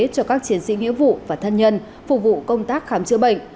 cho các chiến sĩ nghĩa vụ và thân nhân phục vụ công tác khám chữa bệnh